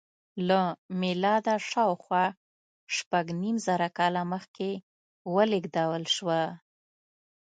له میلاده شاوخوا شپږ نیم زره کاله مخکې ولېږدول شوه.